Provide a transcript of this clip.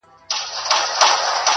پاک پر شرعه برابر مسلمانان دي,